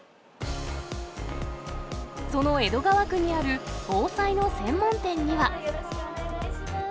その江戸川区にある防災の専門店には。